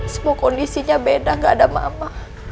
semua kondisinya beda gak ada mama